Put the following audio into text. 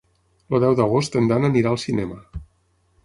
El deu d'agost en Dan anirà al cinema.